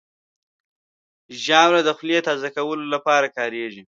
ژاوله د خولې تازه کولو لپاره کارېږي.